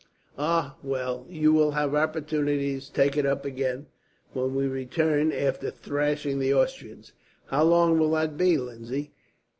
"Ah, well! You will have opportunities to take it up again, when we return, after thrashing the Austrians." "How long will that be, Lindsay?"